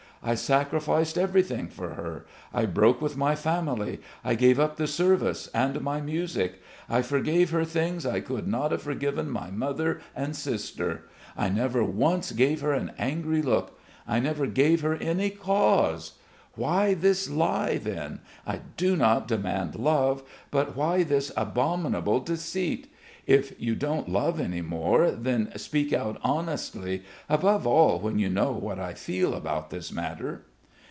I sacrificed everything for her. I broke with my family, I gave up the service and my music. I forgave her things I could not have forgiven my mother and sister.... I never once gave her an angry look ... I never gave her any cause. Why this lie then? I do not demand love, but why this abominable deceit? If you don't love any more then speak out honestly, above all when you know what I feel about this matter...."